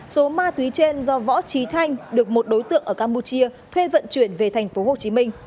số ma túy trên do võ trí thanh được một đối tượng ở campuchia thuê vận chuyển về tp hcm